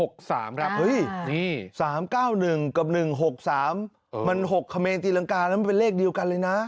๓๙๑กับ๑๖๓มัน๖เมนตีรังกาแล้วมันเป็นเลขเดียวกันเลยนะ